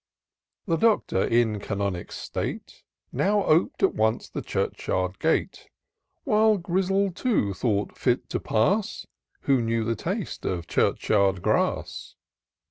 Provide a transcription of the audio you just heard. The Doctor, in canonic state, Now op'd at once the church yard gate ; While Grizzle, too, thought fit to pass, Who knew the taste of church yard grass.